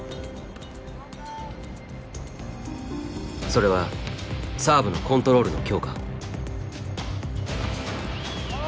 それはサーブのコントロールの強化。